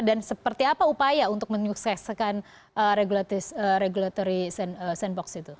dan seperti apa upaya untuk menyukseskan regulatory sandbox itu